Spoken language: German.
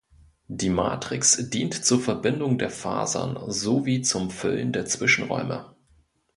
Die Matrix dient zur Verbindung der Fasern sowie zum Füllen der Zwischenräume.